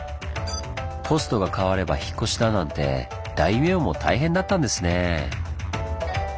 ポストが変われば引っ越しだなんて大名も大変だったんですね。